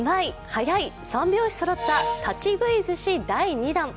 早い！、３拍子そろった立ち食いずし第２弾。